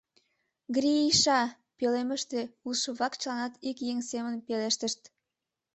— Гри-иша! — пӧлемыште улшо-влак чыланат ик еҥ семын пелештышт.